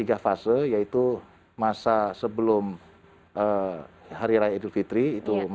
kalau saya hubungi dengan yang dilakukan oleh n austirim